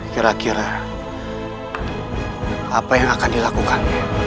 kira kira apa yang akan dilakukan